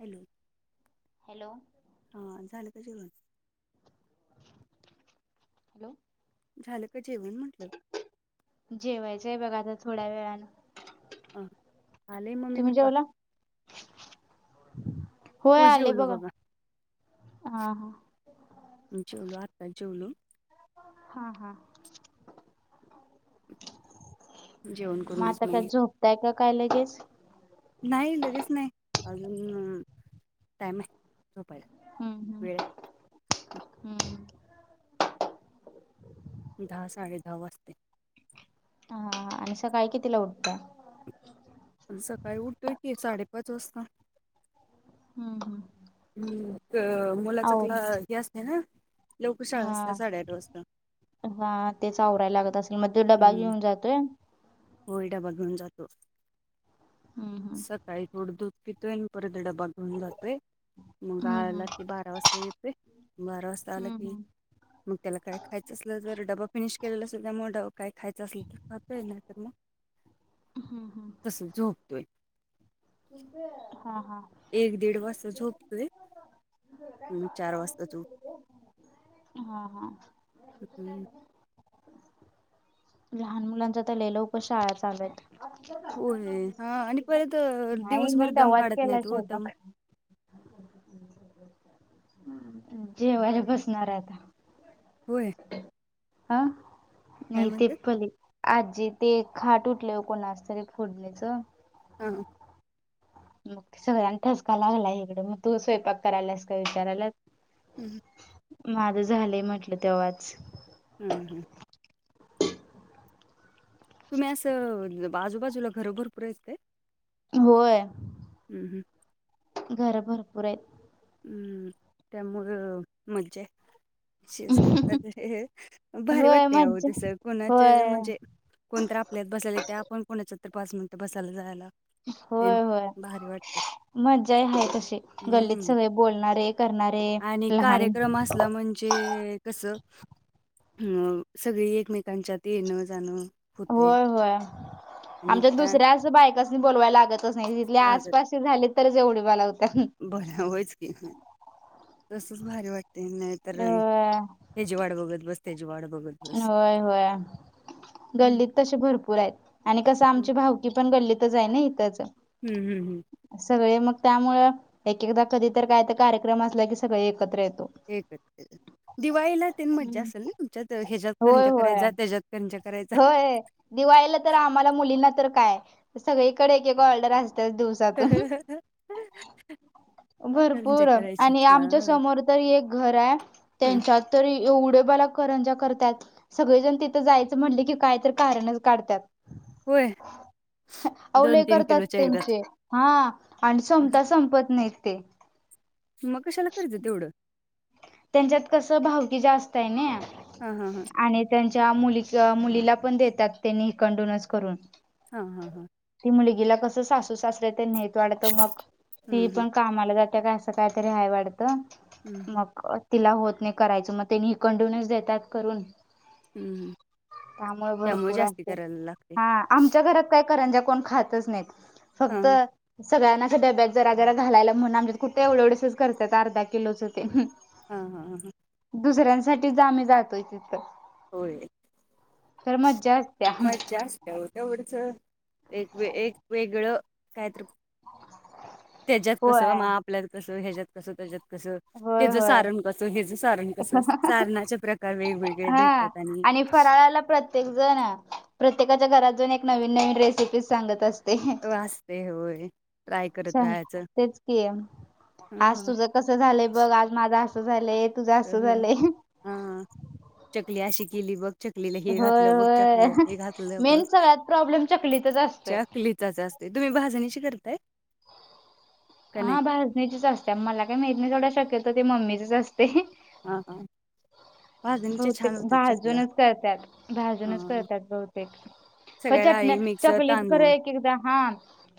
Hello. Hello हां झालं कां जेवणं हॅलो झालं कां जेवणं म्हटलं जेवायचंय बघां आंता थोड्यां वेळाने ह आले मम्मी तुम्हीं पप्पा जेवलां होयं हो आंले जेवलो बघां बघा हां हां मी जेवलो आताचं जेवलो हां हां जेवण मंग करूनच आंता मग कायं झोपतांय कां कायं लगेच नाहीं लगेच नाहीं अजूंन टाईम आहे झोपायला हम्मं हम्मं वेळ आहे हम्मं दहा साडे दहा वाजते हां आणि सकाळीं कीतिला उठतां सकाळीं उठतोय की साडेपाच वाजतां हम्मं हं मुलां ची कलां हे असते नां लवकर शाळां असते नां साडेआठ वाजतां हां तेचं आवरायला लागतं असेल मंग तो डब्बा घेऊन जातोय होयं डब्बा घेऊन जातो हम्म सकाळीं थोडं दूधं पितोय आणि परतं डब्बा घेऊन जातोय मंग हम्म हां नकी हम्म आं की बारा वाजतां येते बारा वाजतां आंला की हम्म मंग त्यांला कायं खायचं असलं तरं डब्बा फिनिश केलेला असतोय त्यामुळं कायं खायंच असलं तरं खातो नां मंग हम्म हम्म तसांच झोपतोय. तज [unintelligible] हां हां एक दीड वाजतां झोपतोय चार वाजतां झोप हां हां हम्मं मुलांच तरं लंय लवकरं शाळां चालूं हेतं. होय हा आणि परत अ, नाहीं दिवसभर मी दम तवांच काढत केलां नाहीत आहे हो दम स्वयंपाक जेवायंला बसणारं आहे होयं हां नाहीं ते म्हणतात पले आजी ते खांट उठले कोणाचं तरी फोडणीच हां मंग ते सगळयांना ठसकां लागलाय इकडे मंग तूं स्वयंपाक करायंलास कां विचारयला हम्मं माझं झालंय म्हटलं तेव्हांच हम्मं हम्मं तुम्हीं असं बाजूंबाजूंला घरं भरंपूर आहेतं कायं होयं हम्मं हम्मं घरां पिसुन भरंपूर आहेतं हम्मं त्यामुळं म्हणजे मज्जाये भारी होय वाटते अं मज्जा जसं कोणाचं होय म्हणजे कोणतं आपल्यांत बसायंला ते आपणं कोणाच्या त्तरं पांच मिनिटं बसायंला जायला तेन होय होय भारी वाटते मजाय हाय तशी, गल्लीत हम्म सगळे बोलणारे त करणारे, लहान चे कस अ सगळी एकमेकांच्यात, येणं जाणं होतंय होय बया, आणि आमच्या त्या दुसऱ्याच बायकस्नी बोवायला लागतच नाही, तिथल्या लागत आसपासशी झाली, तरच एवढी बोलावत्या बर होयच की, तसच भारी वाट ते नाही तर, होय हे जि वाट बघत बस, त्याची वाट बघत बस होय होय, हम्म गल्लीत तशे भरपूरायेत आणि कसं हो. आमची भावकी पण, गल्लीतच हाय ना, इथच. हम् हम् हम. सगळे मग त्यामुळं, एक एकदा कधी तर, काय तर कार्यक्रम असला की सगळे एकत्र येतो. हे [unintelligible] दिवाळीला तेन मज्जा हम्म असल ना, तुमच्यात ह्याच्यात होय करंज्या कराया होय जा, त्याच्यात करंज्या करायचा होय दिवाळीला तर आम्हाला मुलींना, तर काय सगळीकडे एक एक ऑर्डर असतेच, दिवस ह ह ह [inaudible] भरपूर आणि आमच्या समोर तरी एक घर हाय, त्यांच्यात तर एवढे बाला करंजा करतात सगळेजण तिथं जायचं म्हटले की, काय तर कारणच काढतात. होय. अव दोन लई तीन करतात किलोच्या एकदाच त्यांचे, हां आणि संपता संपत नाहीत. ते. मग कशाला कर्ज तेवढं? त्यांच्यात कसं भावकी जास्त य ना, हा हा हा आणि त्यांच्या मुलीक् मुलीला पण देतात, त्यांनी कडोन्सन [unintelligible] करून हां हां हां. ती मुलगीला कसं सासू सासरे ते नेट वाढत मग, ती हम्म हम्म पण कामाला जात्या का असं काय तरी हय वाटतं, हम्म मग तिला होत नाही करायचं, मग ते हींकडूनच देतात करून. हम्म त्यामुळे भरपूर जास्ती असते, करायला लागते हां आमच्या घरात काय करंज्या कोण खातच नाहीत, हा फक्त हा सगळ्यांनाच डब्यात जरा जरा घालायला, म्हणून आमच्यात कुठे एवढ एवढसच करतात, अर्धा किलोच ते, हम्म. हां हां हं. दुसऱ्यांसाठीच आम्ही जातोय तिथं होय, तर मज्जा असत्या मज्जा असते हो एवढच, एक एक वेगळं काहीतर त्याच्यात होय कसं? म आपल्यात कसं? ह्याच्यात कसं? त्याच्यात कसं? होय त्याचं होय सारण कसं? ह्याचं सारण कसं? सारणाचे प्रकार वेगवेगळे हा भेटतात. आणि फराळाला प्रत्ये त्येक जण, प्रत्येकाच्या घरातून एक नवीन-नवीन रेसिपी सांगत असते हं. असतंय होय, ट्राय करत सांग राहायचं, तेच की आज हम्म तुझं कसं झालंय बघ, आज माझं असं झालंय, तुझं असं झालंय. अं चकली अशी केली, बघ. चकलीला हे होय घातलं बघ, होय चकलीला ते घातलं बघ, मेन सगळ्यात प्रॉब्लेम चकलीतच असतोय चक लीचाच असते, तुम्ही भाजणीची करताय? का नाही हा भाजणीचीच असत्या, मला काही माहीत नही, तेवढा शक्यतो मम्मीचेच असत. हां का? बहुतेक भाजूनच करत्यात भाजूनच हा करत्यात बहुतेक ख सगळ्या चटण्या डाळी मिक्स चाकलीट कर तांदूळ एक एकेकदा हा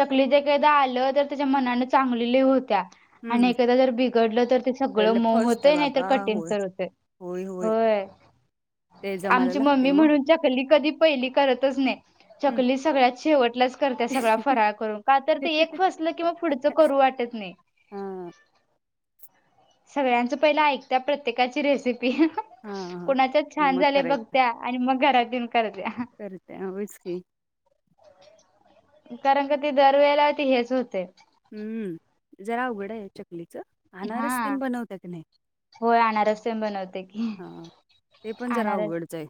चकली ज एकदा आलं तर त्याच्या मनान चांगली लई होत्या हम्म आणि एकेकदा जर बिघडलं तर ते सगळं लय मऊ फस्ट आहे होतंय नाहीतर बाबा कठीण होय तर होतंय होय ते जमायला आमची लागते मम्मी हो म्हणून चकली कधी पहिली करतच नाही. हम्म. चकली सगळ्यात शेवटलाच करत्या सगळा फराळ करून का तर ते एक फसलं कि मग पुढच करू वाटत नाही. हा. सगळ्यांचं पहिलं ऐकत्या प्रत्येकाची रेसिपी हा हा कोणाच्यात आणि छान मग झालय करायचं बघत्या आणि मग घरात येऊन करत्या. करत्या व्हयच की कारण का ती दरवेेळेला ती हेच होतय. हम्म जरा अवघड आहे चकलीचं आणारस हा तेन बनवता का नाही होय अनारस तेन बनवते की हा. ते पण जरा अनारस अवघडच आहे.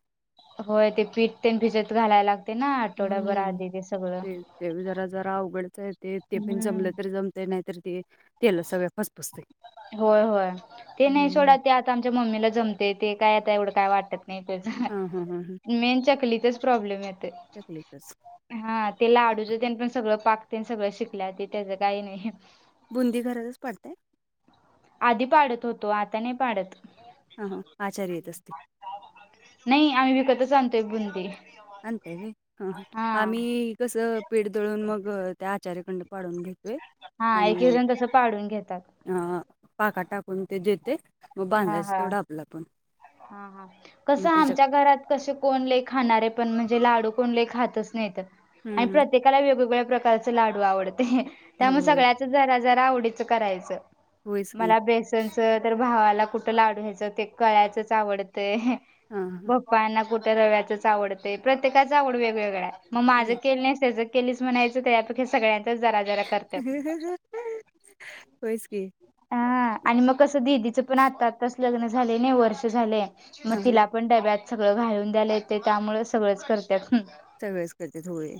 होय ते पीठ तेन भिजत घालायला लाग हम्म ते ते बी जरा जरा अवघडचं आहे ते ते पण हम्म. जमलं तरी जम ते नाही तर ते तेलं सगळ्या पचपसतय. होय होय ते नाही सोडा ते आता आमच्या मम्मीला जमतय ते काय आता एवढं काय वाटत - - नाही त्याच हा हा हा हा मेन चकलीतच प्रॉब्लेम येतय. चकलीचच हा ते लाडू च तेन पण सगळं पाक तेन सगळं शिकल्या ते त्याचं काही नाही. बुंदी घरातच पडताय. आधी पाडत होतो आता नाही पाडत. हां हां आचारी येत असतील. नाही आम्ही विकतच आणतोय बुंदी. आणताय होय ह ह हा आम्ही कसं पीठ दळून मग त्या आचाऱ्या कडन पाडून घेतोय. हा आणि एक एक मग जण तसं पाडून घेतात. अ ह पाकात टाकून ते देतोय. हा हा हा हा कस मग त्याच्या आमच्या घरात कस कोण लई खाणारे पण म्हणजे लाडू कोण लई खातच नाहीत आणि हम्म प्रत्येक प्रत्येकाला वेगवेगळ्या प्रकारच लाडू आवडतय हम्म. त्यामुळे होय सगळ्याच जरा जरा आवडीचं करायचं. होयच की मला बेसनच तर भावाला कुठं लाडू हेच ते कळ्याचच आवडतंय. हां हां. पाना कुठं रव्याचच आवडतय प्रत्येकाच आवड वेगवेगळाय मग माझं केलं नाहीस तेज केलीस म्हणायचं त्यापैकी सगळ्यांच जरा जरा करत्यात. [unintelligible] व्हयस की. हा आणि मग कसं दिदीचं पण आता आत्ताच लग्न झालय नाही वर्ष झालंय हा मग हा तिला पण डब्यात सगळं घालून द्याला येतय त्यामुळ सगळंच करत्यात. सगळच करत्यात होय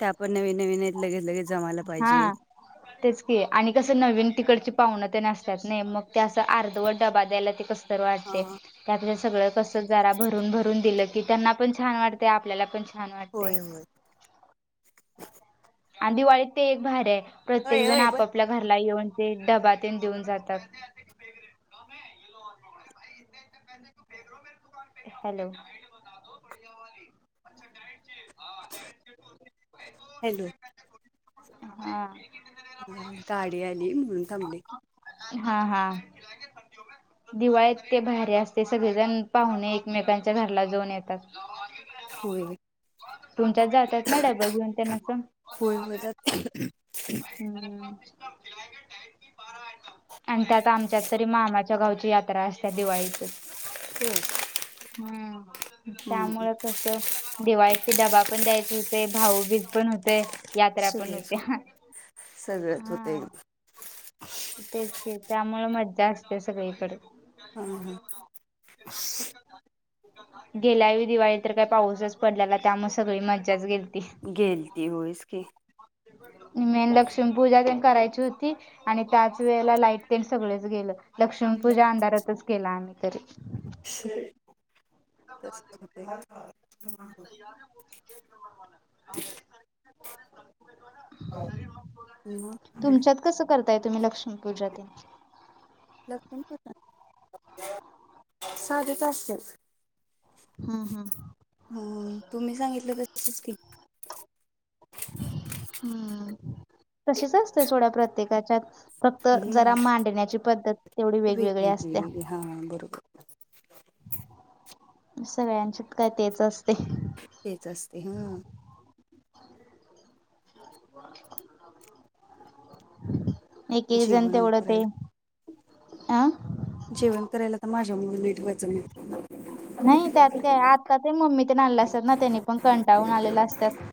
ते आपण नवीन नवीन लगे लगेच जमायला पाहिजे. हा [inaudible] तेच की आणि कसं नवीन तिकडची पाहुणं तेन असत्यात नाही मग ते असं अर्धवट डबा द्यायला ते कसं तर हा वाटतय ते आपल सगळ कस जरा भरून भरून दिलं की त्यांना पण छान वाटतय आपल्याला पण छान होय वाटतयं. होय आणि दिवाळीत ते एक भारी आहे प्रत्येक होय जण होय पण आपापल्या घरला येऊन ते डबा तेन देऊन जातात. हॅलो हॅलो हा ह गाडी आली म्हणून थांबली. हा हा दिवाळीत ते भारी असते. सगळेजण पाहुणे एकमेकांच्या घरला जाऊन येतात. होय तुमच्यात जातात ना डबा घेऊन त्यांनाच होय होय जात. हम्म आणि त्यात आमच्यात तरी मामाच्या गावची यात त्रा असते स त्या दिवाळीत हम् हम्म. त्यामुळे तस दिवाळीत डबा पण द्यायचे होते. भाऊबीज पण होते. सगळ सगळच होतय. हा तेच की, त्यामुळे मज्जा असते सगळीकडे. हा हा गेल्यावेळी दिवाळीत तर काय पाऊसच पडलेला त्यामुळे सगळी मजाच गेलती. गेलती हो इकी. मेन लक्ष्मी पूजा पण करायची होती. आणि त्याच वेळेला लाईट तेन सगळेच गेल. लक्ष्मी पूजा अंधारातच केल आम्ही तरी, [unintelligible] - [unintelligible] [unintelligible] कस करताय तुम्ही लक्ष्मी पूजा ते? लक्ष्मी पूजा? साधीच असत्या. हम् हम्म हो... तुम्ही सांगितल तशीच की, हम्म... तशीच असते सोडा प्रत्येकाच्यात. फक्त हम्म जरा मांडण्याची पद्धत तेवढी वेगवेगळी असत्या. हा... बरोबर सगळ्यांच्यात काय तेच असतय. तेच असतय. हा.. एक- एक जण जेवण तेवढ ते, करायला आह जेवण करायला तर माझ्यामुळे लेट व्हायच. नाही त्यात काय आत्ता ते मम्मी तेन आलेले असतात ना... त्यांनी पण कंटाळून आलेल असतात.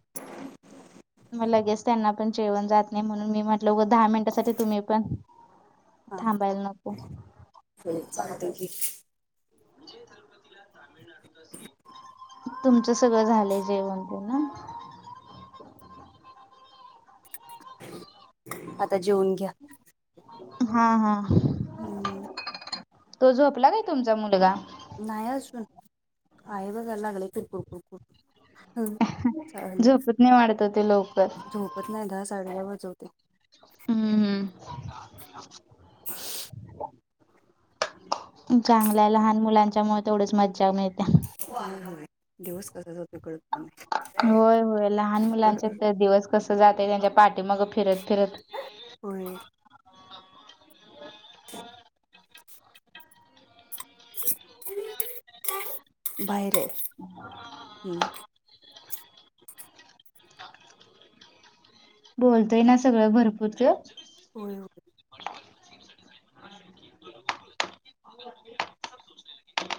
मग लगेच त्यांना पण जेवण जात नाही म्हणून मी म्हट नऊ - दहा मिनिटांसाठी तुम्ही पण थांबायला नको. हो चालतय की, विजय तिरुपतीला तुमच सगळ झालय जेवण पूर्ण? आता जेवून घ्या. हा -हा-हा हम्म तो झोपला काय तुमचा मुलगा? नाही अजून, आहे बघा लागलंय कुरकुर कुरकुर. आहे चालू झोपत नाही वाटतं तो लवकर. झोपत नाही. दहा- साडे दहा वाजवतंय. हम्म हम्. [unintelligible] चांगलय लहान मुलांच्यामुळे तेवढीच मज्जा मिळत्या. होय होय... दिवस कसा जातोय कळत पण नाही होय होय लहान मुलांच्यात तर दिवस कसा जातोय त्यांच्या पाठीमागं फिरत फिरत.... होय. बाहेर आहे. [inaudible] हम्म. बोलतय ना सगळं भरपूर त्यो. होय.